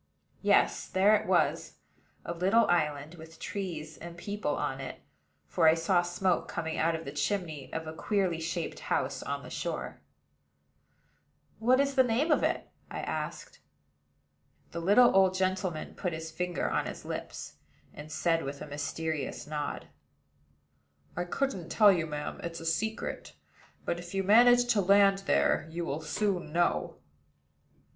Yes: there it was, a little island, with trees and people on it; for I saw smoke coming out of the chimney of a queerly shaped house on the shore. "What is the name of it?" I asked. The little old gentleman put his finger on his lips, and said, with a mysterious nod: "I couldn't tell you, ma'am. It's a secret; but, if you manage to land there, you will soon know."